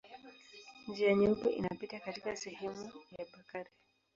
Njia Nyeupe inapita katika sehemu ya Bakari.